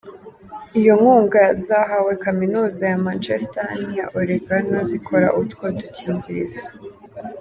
Iyo nkunga zahawe Kaminuza ya Manchester n’iya Oregon, zikora utwo dukingirizo .